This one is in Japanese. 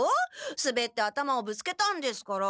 すべって頭をぶつけたんですから。